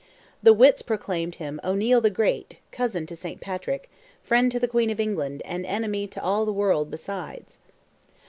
The wits proclaimed him "O'Neil the Great, cousin to Saint Patrick, friend to the Queen of England, and enemy to all the world besides!"